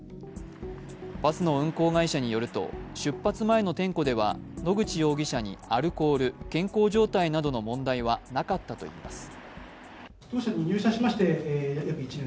バスの運行会社によると、出発前の点呼では野口容疑者にアルコール健康状態などの問題はなかったといいます。